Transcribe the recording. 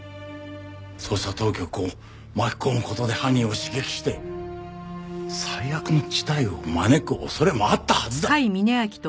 捜査当局を巻き込む事で犯人を刺激して最悪の事態を招く恐れもあったはずだ。